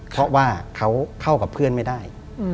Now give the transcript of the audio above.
เพราะว่าเขาเข้ากับเพื่อนไม่ได้